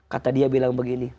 kata dia bilang begini